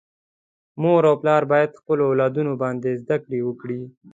مور او پلار باید خپل اولادونه باندي زده کړي وکړي.